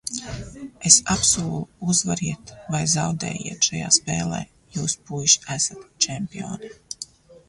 Es apsolu, uzvariet vai zaudējiet šajā spēlē, jūs, puiši, esat čempioni!